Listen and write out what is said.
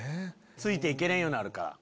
ついていけれんようになるから。